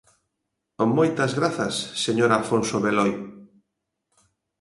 Moitas grazas, señor Afonso Beloi.